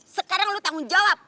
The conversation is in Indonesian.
sekarang lu tanggung jawab